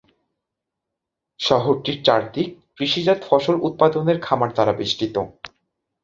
শহরটির চারদিক কৃষিজাত ফসল উৎপাদনের খামার দ্বারা বেষ্টিত।